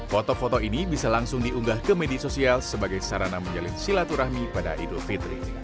foto foto ini bisa langsung diunggah ke media sosial sebagai sarana menjalin silaturahmi pada idul fitri